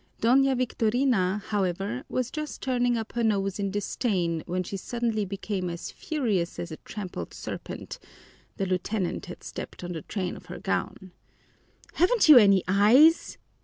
Doña Victorina, however, was just turning up her nose in disdain when she suddenly became as furious as a trampled serpent the lieutenant had stepped on the train of her gown. "Haven't you any eyes?"